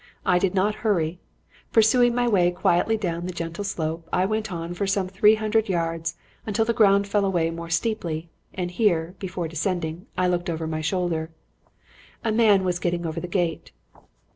I did not hurry. Pursuing my way quietly down the gentle slope, I went on for some three hundred yards until the ground fell away more steeply; and here, before descending, I looked over my shoulder. "A man was getting over the gate.